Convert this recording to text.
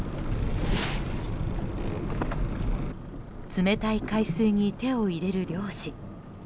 冷たい海水に手を入れる漁師。